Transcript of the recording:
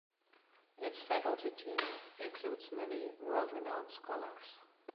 Its faculty team includes many world-renowned scholars.